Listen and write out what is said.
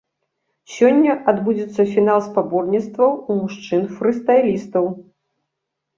Сёння адбудзецца фінал спаборніцтваў у мужчын-фрыстайлістаў.